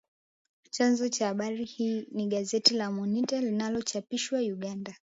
Chanzo cha habari hii ni gazeti la Monita linalochapishwa Uganda